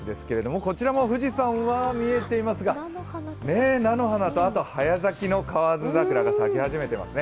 こちらも富士山は見えていますが、菜の花と早咲きの河津桜が咲き始めていますね。